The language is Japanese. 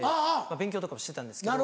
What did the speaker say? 勉強とかもしてたんですけど。